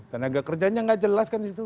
tenaga kerjanya nggak jelas kan di situ